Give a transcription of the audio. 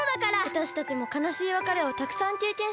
わたしたちもかなしいわかれをたくさんけいけんしたよ。